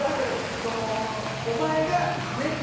そのお前がね